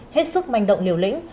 hết sức manh động liều lĩnh